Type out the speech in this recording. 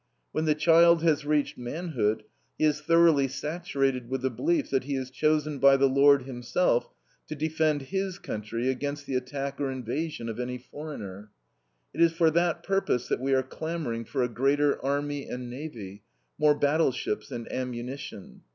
When the child has reached manhood, he is thoroughly saturated with the belief that he is chosen by the Lord himself to defend HIS country against the attack or invasion of any foreigner. It is for that purpose that we are clamoring for a greater army and navy, more battleships and ammunition.